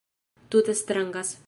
Tute strangas